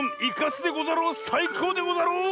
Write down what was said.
さいこうでござろう！